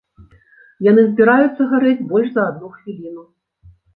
Яны збіраюцца гарэць больш за адну хвіліну.